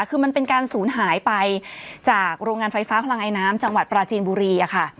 คือมันเป็นการศูนย์หายไปจากโรงงานไฟฟ้าพลังไอน้ำจังหวัดปราจีนบุรีค่ะ